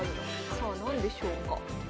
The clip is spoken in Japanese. さあ何でしょうか。